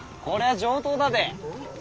こりゃ上等だで。